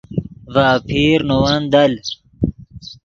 ڤے اپیر نے ون دل